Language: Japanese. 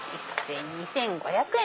２５００円